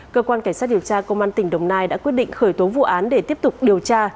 cơ quan cảnh sát điều tra công an tp hcm đã quyết định khởi tố vụ án để tiếp tục điều tra